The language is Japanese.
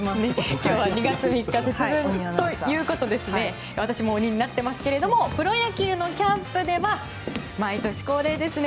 今日は２月３日節分ということで私も鬼になってますけどプロ野球のキャンプでは毎年恒例ですね。